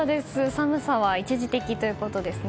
寒さは一時的ということですね。